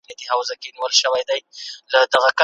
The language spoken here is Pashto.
دا زياتي پيسې دي.